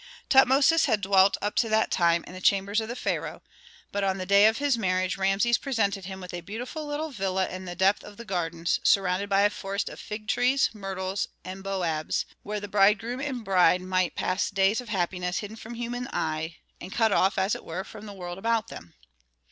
Tutmosis had dwelt up to that time in the chambers of the pharaoh, but on the day of his marriage Rameses presented him with a beautiful little villa in the depth of the gardens, surrounded by a forest of fig trees, myrtles and baobabs, where the bridegroom and bride might pass days of happiness hidden from human eye, and cut off, as it were, from the world about them.